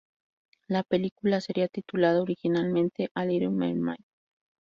La película sería titulada originalmente "A Little Mermaid.